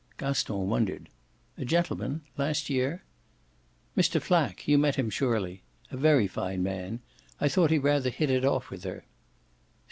Gaston wondered. "A gentleman last year?" "Mr. Flack. You met him surely. A very fine man. I thought he rather hit it off with her."